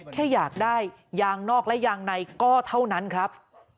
แค่อยากได้ยางนอกและยางในก็เท่านั้นครับ